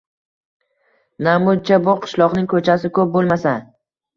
Namuncha bu qishloqning ko‘chasi ko‘p bo‘lmasa?